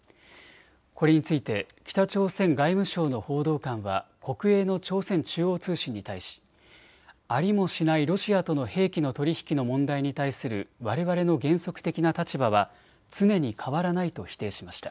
これについて北朝鮮外務省の報道官は国営の朝鮮中央通信に対しありもしないロシアとの兵器の取り引きの問題に対するわれわれの原則的な立場は常に変わらないと否定しました。